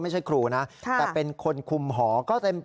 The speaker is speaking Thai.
ไม่ใช่ครูนะแต่เป็นคนคุมหอก็เต็ม